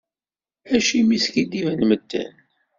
Acimi i skiddiben medden?